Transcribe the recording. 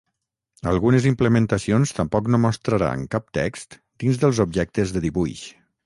Algunes implementacions tampoc no mostraran cap text dins dels objectes de dibuix.